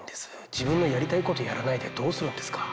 自分のやりたいことやらないでどうするんですか？